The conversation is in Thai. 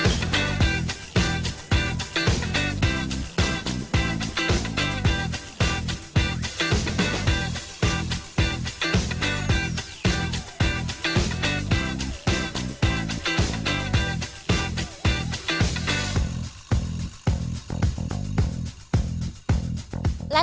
หนักวงสุดท้อง